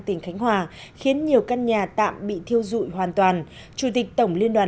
tỉnh khánh hòa khiến nhiều căn nhà tạm bị thiêu dụi hoàn toàn chủ tịch tổng liên đoàn